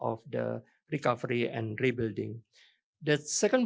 untuk pembangunan dan pembangunan